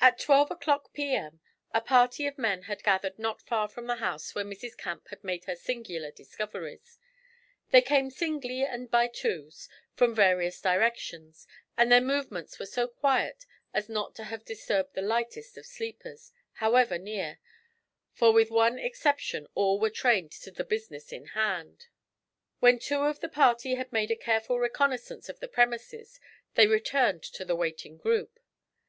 AT twelve o'clock p.m. a party of men had gathered not far from the house where Mrs. Camp had made her singular discoveries; they came singly and by twos, from various directions, and their movements were so quiet as not to have disturbed the lightest of sleepers, however near, for with one exception all were trained to the business in hand. When two of the party had made a careful reconnaissance of the premises they returned to the waiting group.